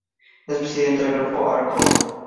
Es presidente del grupo Arcor.